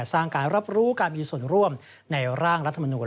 สร้างการรับรู้การมีส่วนร่วมในร่างรัฐมนูล